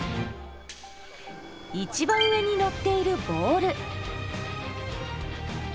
一番上にのっているボール。